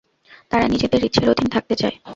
তারা নিজেদের ইচ্ছের অধীন থাকতে চায়!